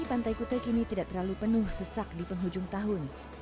pantai kute kini tidak terlalu penuh sesak di penghujung tahun